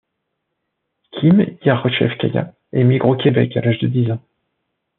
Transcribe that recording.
Kim Yaroshevskaya émigre au Québec à l'âge de dix ans.